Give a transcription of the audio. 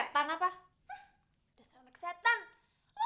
tidak ada yang bisa dikawal